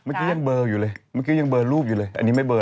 เมื่อกี้ยังเบอร์อยู่เลยอันนี้ไม่เบอร์